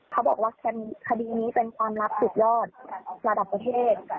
เขาบอกว่าคดีนี้เป็นความลับสุดยอดระดับประเทศ